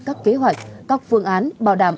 các kế hoạch các phương án bảo đảm